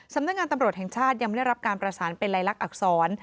สำนักงานตำรวจแห่งชาติยังไม่ได้รับการประสานเป็นลายลักษณอักษร